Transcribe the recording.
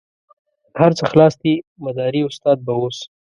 هر څه خلاص دي مداري استاد به اوس.